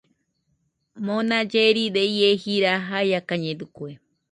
Mona lleride ie jira jaiakañedɨkue